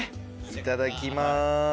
いただきます。